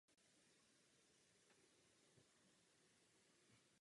Škola má vlastní internát a školní jídelnu.